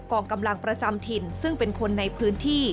กองกำลังประจำถิ่นซึ่งเป็นคนในพื้นที่